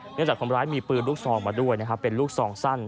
จากคนร้ายมีปืนลูกซองมาด้วยนะครับเป็นลูกซองสั้น